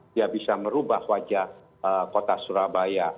dia bisa merubah wajah kota surabaya